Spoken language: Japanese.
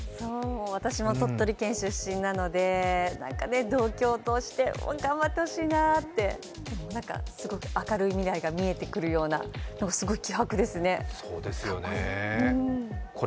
私も鳥取県出身なので同郷として頑張ってほしいなって、すごく明るい未来が見えてくるようなすごい気迫ですね、かっこいい。